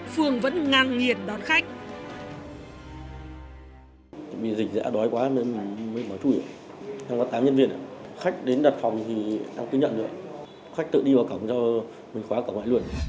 phương vẫn ngang nghiệt đón khách